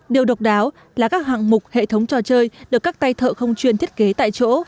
điều độc đáo là các hạng mục hệ thống trò chơi được các tay thợ không chuyên thiết kế tại chỗ